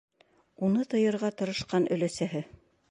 Уны тыйырға тырышҡан өләсәһе: